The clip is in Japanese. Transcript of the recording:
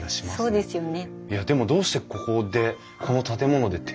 そうですね。